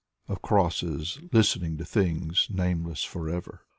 Of crosses listening to things nameless forever.